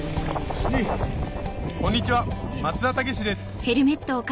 こんにちは松田丈志です